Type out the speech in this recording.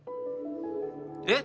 えっ！